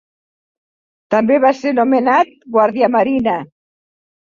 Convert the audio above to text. També va ser nomenat guardiamarina.